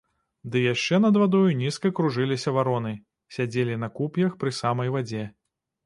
Ды яшчэ над вадою нізка кружыліся вароны, сядзелі на куп'ях пры самай вадзе.